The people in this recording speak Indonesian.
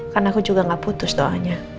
karena aku juga gak putus doanya